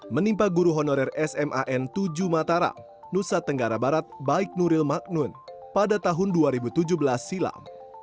menimpa guru honorer sman tujuh mataram nusa tenggara barat baik nuril magnun pada tahun dua ribu tujuh belas silam